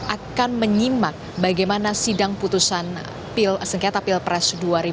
akan menyimak bagaimana sidang putusan senketa pilpres dua ribu dua puluh empat